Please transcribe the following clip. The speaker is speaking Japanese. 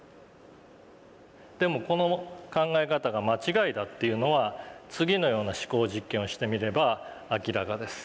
でもこの考え方が間違いだというのは次のような思考実験をしてみれば明らかです。